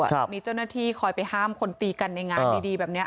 มีเจ้าหน้าที่คอยไปห้ามคนตีกันในงานดีดีแบบนี้